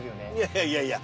いやいやいや。